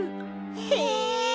へえ。